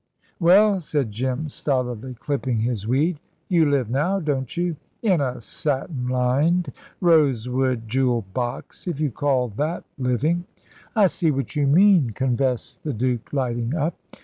"Well," said Jim, stolidly clipping his weed, "you live now, don't you?" "In a satin lined, rose wood jewel box, if you call that living." "I see what you mean," confessed the Duke, lighting up.